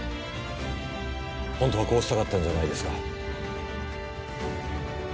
ホントはこうしたかったんじゃないですか？